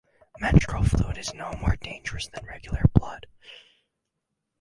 Menstrual fluid is no more dangerous than regular blood.